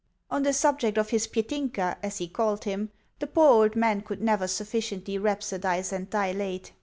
On the subject of his Petinka, as he called him, the poor old man could never sufficiently rhapsodise and dilate.